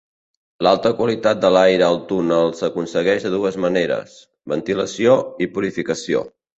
L'alta qualitat de l'aire al túnel s'aconsegueix de dues maneres: ventilació i purificació.